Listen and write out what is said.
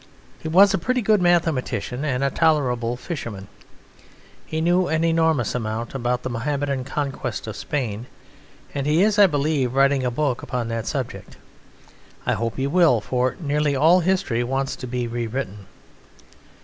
He was a pretty good mathematician and a tolerable fisherman. He knew an enormous amount about the Mohammedan conquest of Spain, and he is, I believe, writing a book upon that subject. I hope he will, for nearly all history wants to be rewritten.